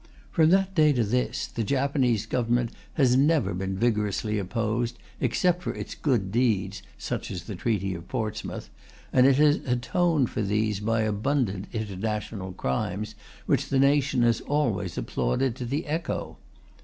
From that day to this, the Japanese Government has never been vigorously opposed except for its good deeds (such as the Treaty of Portsmouth); and it has atoned for these by abundant international crimes, which the nation has always applauded to the echo.